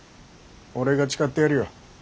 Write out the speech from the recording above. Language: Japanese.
俺が誓ってやるよ。